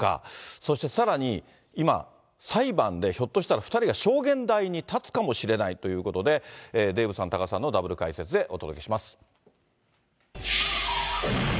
そしてさらに、今、裁判でひょっとしたら２人が証言台に立つかもしれないということで、デーブさん、多賀さんのダブル解説でお届けします。